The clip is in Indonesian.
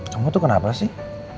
kamu tuh kenapa sih